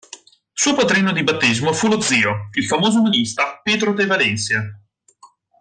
Suo padrino di battesimo fu lo zio, il famoso umanista Pedro de Valencia.